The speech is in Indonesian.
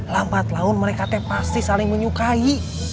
lambat laun mereka teh pasti saling menyukai